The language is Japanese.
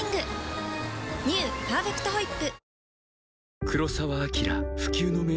「パーフェクトホイップ」